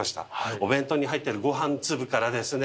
お弁当に入ってるごはん粒からですね。